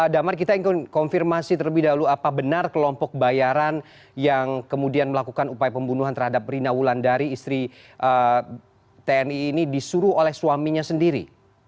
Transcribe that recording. damar kita ingin konfirmasi terlebih dahulu apa benar kelompok bayaran yang kemudian melakukan upaya pembunuhan terhadap rina wulandari istri tni ini disuruh oleh suaminya sendiri